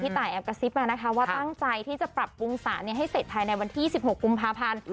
ตายแอบกระซิบมานะคะว่าตั้งใจที่จะปรับปรุงสารให้เสร็จภายในวันที่๑๖กุมภาพันธ์